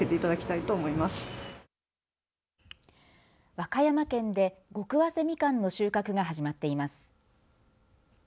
和歌山県で極早生みかんの収穫が始まっています。